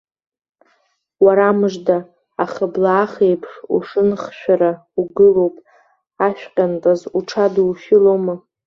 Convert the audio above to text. Уарамыжда, ахыблаах еиԥш ушынхшәара угылоуп, ашәҟьантаз уҽадушьылома!